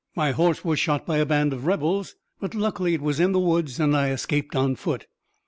My horse was shot by a band of rebels, but luckily it was in the woods and I escaped on foot."